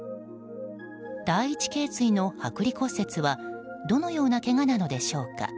第一頸椎の剥離骨折はどのようなけがなのでしょうか。